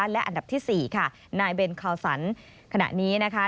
และอันดับที่๔ค่ะนายเบนคาวสันขณะนี้นะคะ